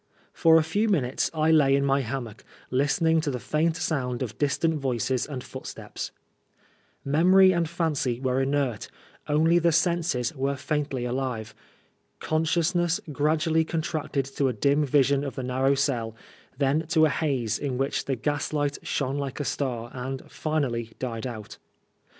For a few minutes I lay in my hammock, listening to the faint sound of distant voices and footsteps. Memory and fancy were inert ; only the senses were faintly alive. Consciousness gradually contracted to a dim vision of the narrow cell, then to a haze, in which the gaslight shone like a star, and finally died out.